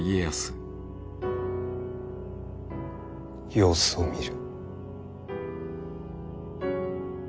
・様子を見る。